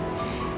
ibu juga ibu